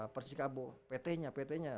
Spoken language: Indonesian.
persikabo ptnya ptnya